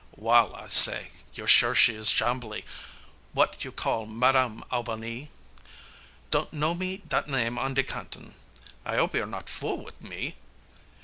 "Wall," I say, "you're sure she is Chambly, w'at you call Ma dam All ba nee? Don't know me dat nam' on de Canton I hope you're not fool wit' me?"